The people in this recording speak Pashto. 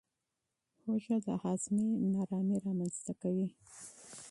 هوږه د هاضمې نارامي رامنځته کوي.